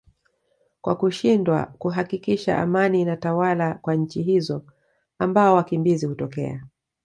kwa kushindwa kuhakikisha amani inatawala kwa nchi hizo ambao wakimbizi hutokea